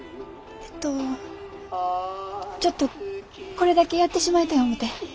えっとちょっとこれだけやってしまいたい思て。